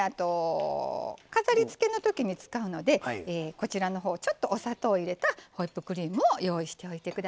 飾りつけの時に使うのでこちらの方ちょっとお砂糖を入れたホイップクリームを用意しておいて下さい。